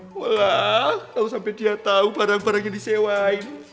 walah tau sampe dia tau barang barang yang disewain